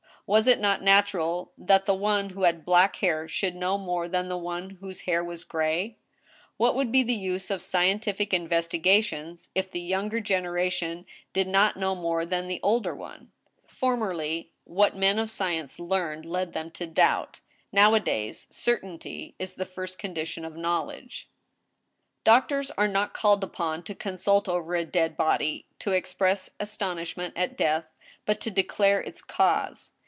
Was it not natu ral that the one who had black hair should know more than the one whose hair was gray ? What would be the use of scientific investi gations, if the younger generation did not know more than the older 204 THE STEEL HAMMER. one ? Formerly, what men of science learned led them to doubt, Nowadajrs, certainty is the first condition of knowledge. Doctors are not called upon to consult over a dead body, to ex press astonishment at death, but to declare its cause.